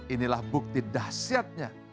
inilah bukti dahsyatnya